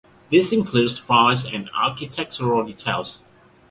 This includes spires and architectural details.